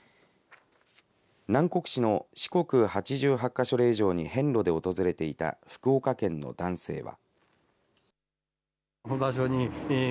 南国市の四国八十八か所霊場に遍路で訪れていた福岡県の男性は。